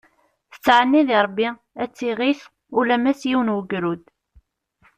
Tettɛenni deg Rebbi ad tt-i-iɣit ulamma s yiwen n ugrud.